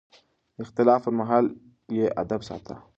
د اختلاف پر مهال يې ادب ساته.